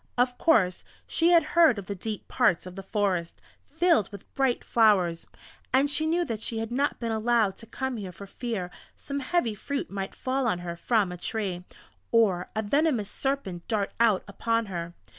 Of course, she had heard of the deep parts of the forest, filled with bright flowers, and she knew that she had not been allowed to come here for fear some heavy fruit might fall on her from a tree, or a venomous serpent dart out upon her.